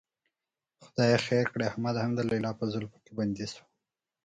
خدای خیر کړي، احمد هم د لیلا په زلفو کې بندي شو.